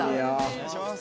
お願いします！